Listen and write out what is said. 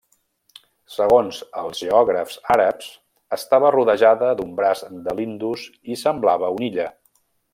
Segons els geògrafs àrabs, estava rodejada d'un braç de l'Indus i semblava una illa.